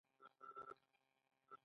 هغه د تزک بابري کتاب ولیکه.